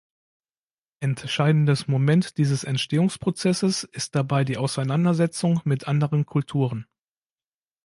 Entscheidendes Moment dieses Entstehungsprozesses ist dabei die Auseinandersetzung mit anderen Kulturen.